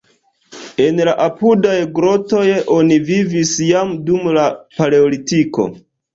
En la apudaj grotoj oni vivis jam dum la paleolitiko.